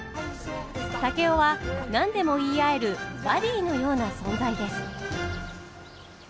竹雄は何でも言い合えるバディーのような存在です。